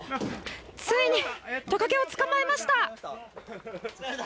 ついにトカゲを捕まえました。